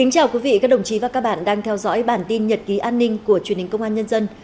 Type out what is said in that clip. chào mừng quý vị đến với bản tin nhật ký an ninh của truyền hình công an nhân dân